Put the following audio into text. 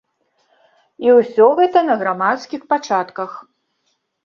І ўсё гэта на грамадскіх пачатках.